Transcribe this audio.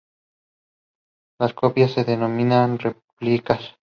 Las copias se denominan replicas.